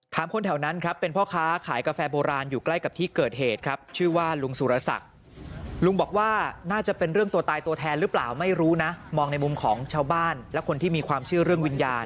คนแถวนั้นครับเป็นพ่อค้าขายกาแฟโบราณอยู่ใกล้กับที่เกิดเหตุครับชื่อว่าลุงสุรศักดิ์ลุงบอกว่าน่าจะเป็นเรื่องตัวตายตัวแทนหรือเปล่าไม่รู้นะมองในมุมของชาวบ้านและคนที่มีความเชื่อเรื่องวิญญาณ